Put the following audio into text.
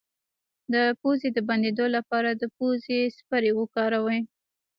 د پوزې د بندیدو لپاره د پوزې سپری وکاروئ